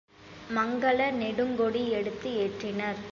மங்கல நெடுங்கொடி எடுத்து ஏற்றினர்.